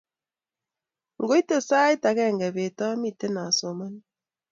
Ngoite sait agenge beet amite asomani